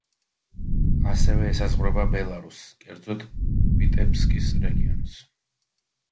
ასევე, ესაზღვრება ბელარუსს, კერძოდ ვიტებსკის რეგიონს.